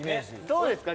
どうですか？